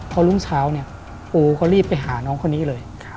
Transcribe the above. พอรุ่งเช้าเนี่ยปูก็รีบไปหาน้องคนนี้เลย